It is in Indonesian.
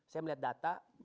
saya melihat data